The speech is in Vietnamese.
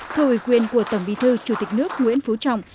thưa ủy quyền của tổng bí thư chủ tịch nước nguyễn phú trọng